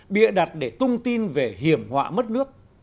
bịa đặt để tung tin về hiểm họa mất nước